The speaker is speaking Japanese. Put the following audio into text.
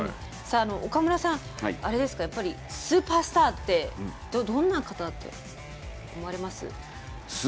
岡村さん、あれですかスーパースターってどんな方だと思われます？